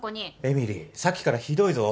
えみりさっきからひどいぞ。